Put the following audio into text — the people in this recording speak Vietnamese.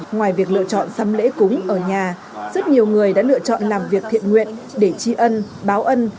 ngoài việc lựa chọn xăm lễ cúng ở nhà rất nhiều người đã lựa chọn làm việc thiện nguyện để tri ân báo ân